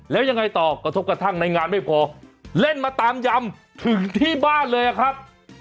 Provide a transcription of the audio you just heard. แล้วยังไงต่อกระทบกระทั่งในงานไม่พอเล่นมาตามยำถึงที่บ้านเลยอะครับ